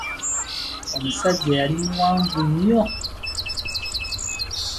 Omusajja yali muwanvu nnyo!